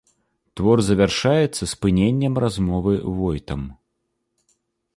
Твор завяршаецца спыненнем размовы войтам.